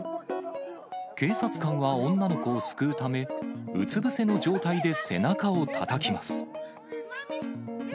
警察官は女の子を救うため、うつ伏せの状態で背中をたたきます。